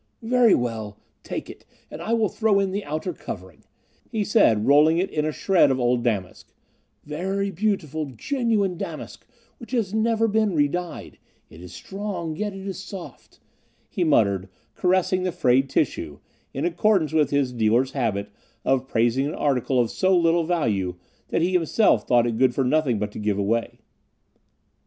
"Very well, take it, and I will throw in the outer covering," he said, rolling it in a shred of old damask "very beautiful, genuine damask, which has never been redyed; it is strong, yet it is soft," he muttered, caressing the frayed tissue, in accordance with his dealer's habit of praising an article of so little value, that he himself thought it good for nothing but to give away.